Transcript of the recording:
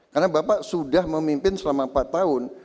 karena bapak sudah memimpin selama empat tahun